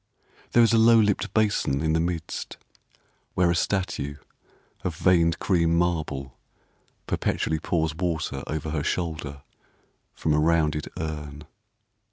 There is a low lipped basin in the midst, Where a statue of veined cream marble Perpetually pours water over her shoulder From a rounded urn.